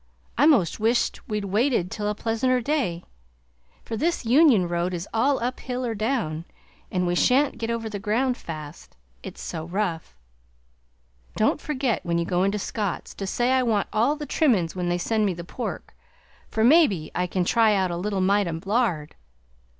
I most wish t we'd waited till a pleasanter day, for this Union road is all up hill or down, and we shan't get over the ground fast, it's so rough. Don't forget, when you go into Scott's, to say I want all the trimmin's when they send me the pork, for mebbe I can try out a little mite o' lard.